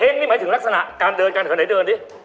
เฮ้งนี่หมายถึงลักษณะการเดินการเขาไหนเดินดิ